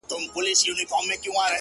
دا کيږي چي زړه له ياده وباسم !